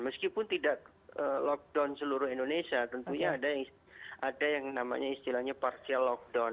meskipun tidak lockdown seluruh indonesia tentunya ada yang namanya istilahnya partial lockdown